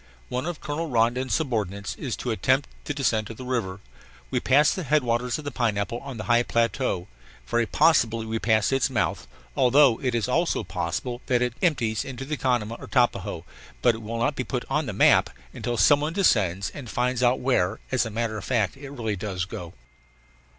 One of Colonel Rondon's subordinates is to attempt the descent of the river. We passed the headwaters of the Pineapple on the high plateau, very possibly we passed its mouth, although it is also possible that it empties into the Canama or Tapajos. But it will not be "put on the map" until some one descends and finds out where, as a matter of fact, it really does go.